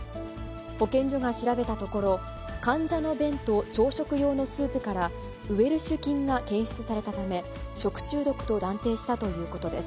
保健所が調べたところ、患者の便と朝食用のスープから、ウェルシュ菌が検出されたため、食中毒と断定したということです。